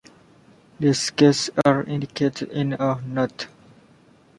These cases are indicated in a note.